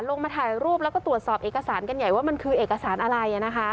ลงมาถ่ายรูปแล้วก็ตรวจสอบเอกสารกันใหญ่ว่ามันคือเอกสารอะไร